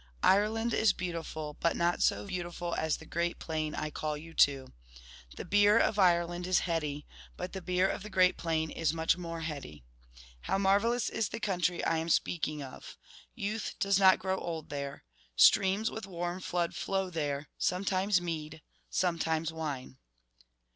... Ireland is beautiful, but not so beautiful as the Great Plain I call you to. The beer of Ireland is heady, but the beer of the Great Plain is much more heady. How marvellous is the country I am speaking of ! Youth does not grow old there. Streams with warm flood flow there; sometimes mead, sometimes wine.